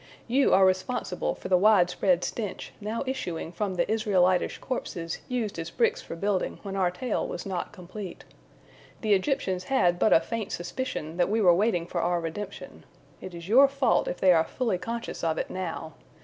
You are responsible for the widespread stench now issuing from the Israelitish corpses used as bricks for building when our tale was not complete. The Egyptians had but a faint suspicion that we were waiting for our redemption. It is your fault if they are fully conscious of it now.